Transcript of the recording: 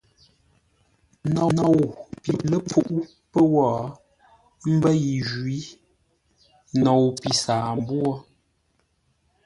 Nou pi ləpfuʼú pə́ wó, ə́ mbə́ yi jwǐ; nou pi saambwô.